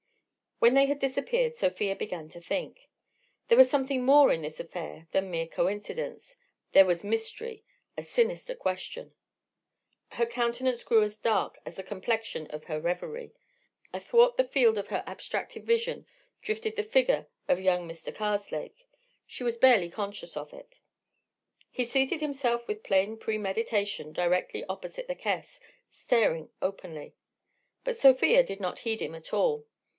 When they had disappeared Sofia began to think. There was something more in this affair than mere coincidence, there was mystery, a sinister question. Her countenance grew as dark as the complexion of her reverie. Athwart the field of her abstracted vision drifted the figure of young Mr. Karslake. She was barely conscious of it. He seated himself with plain premeditation directly opposite the caisse, staring openly. But Sofia did not heed him at all.